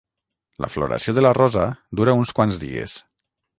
La floració de la rosa dura uns quants dies.